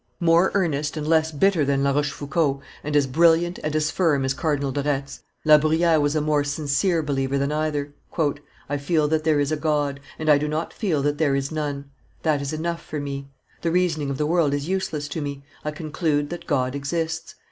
More earnest and less bitter than La Rochefoucauld, and as brilliant and as firm as Cardinal de Retz, La Bruyere was a more sincere believer than either. "I feel that there is a God, and I do not feel that there is none; that is enough for me; the reasoning of the world is useless to me. I conclude that God exists.